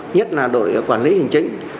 nhất là đội quản lý hình chính